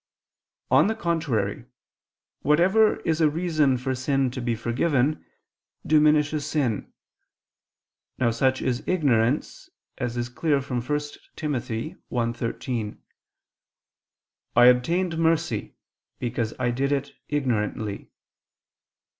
On the contrary, Whatever is a reason for sin to be forgiven, diminishes sin. Now such is ignorance, as is clear from 1 Tim. 1:13: "I obtained ... mercy ... because I did it ignorantly."